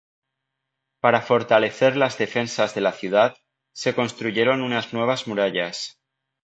Para fortalecer las defensas de la ciudad, se construyeron unas nuevas murallas.